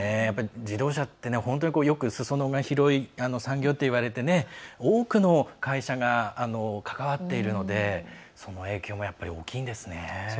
自動車って本当によくすそ野が広い産業といわれて多くの会社が関わっているのでその影響も大きいんですね。